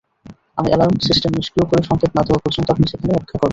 আমি alarm system নিষ্ক্রিয় করে সংকেত না দেওয়া পর্যন্ত আপনি সেখানে অপেক্ষা করবেন।